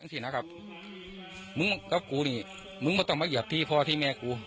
สินะครับมึงกับกูนี่มึงไม่ต้องมาเหยียบที่พ่อที่แม่กู